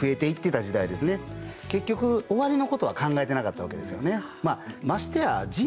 結局終わりのことは考えてなかったわけですよね。